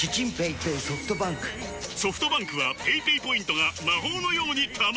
ソフトバンクはペイペイポイントが魔法のように貯まる！